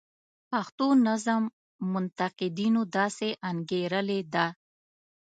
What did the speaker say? پښتو نظم منتقدینو داسې انګیرلې ده.